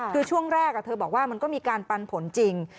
คือช่วงแรกเธอบอกว่ามันก็มีการปันผลจริง